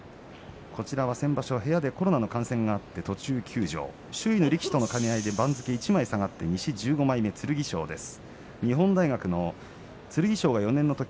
こちらは先場所、部屋でコロナの感染があって途中休場周囲の力士との兼ね合いで番付が一枚下がって西１５枚目の剣翔です。